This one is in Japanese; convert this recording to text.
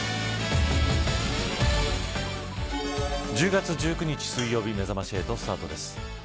１０月１９日水曜日めざまし８スタートです。